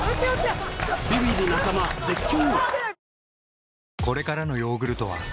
ビビり中間絶叫！